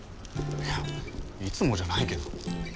いやいつもじゃないけど。